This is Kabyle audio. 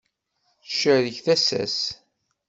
Tcerreg tasa-s.